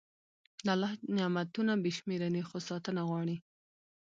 د الله نعمتونه بې شمېره دي، خو ساتنه غواړي.